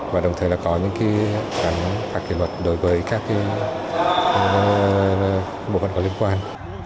và đồng thời có những phạt kỷ luật đối với các bộ phận có liên quan